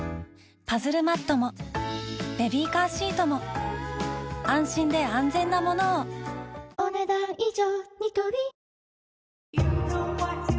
パズルマットもベビーカーシートも安心で安全なものをお、ねだん以上。